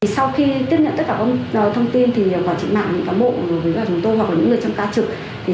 sau khi tiếp nhận tất cả thông tin hoặc chị mạng các bộ chúng tôi hoặc những người trong ca trực